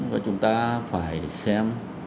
và chúng ta phải xem